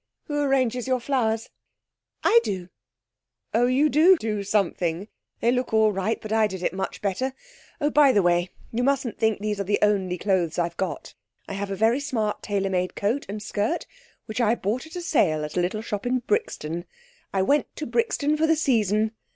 'Who arranges your flowers?' 'I do.' 'Oh, you do do something! They look all right but I did it much better. Oh by the way you mustn't think these are the only clothes I've got. I have a very smart tailor made coat and skirt which I bought at a sale at a little shop in Brixton. I went to Brixton for the season.